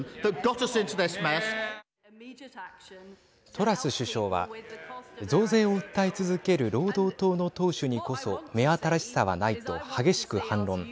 トラス首相は増税を訴え続ける労働党の党首にこそ目新しさはないと激しく反論。